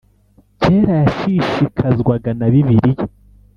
Kera Yashishikazwaga Na Bibiliya